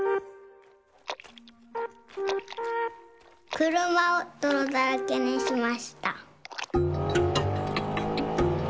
くるまをどろだらけにしました。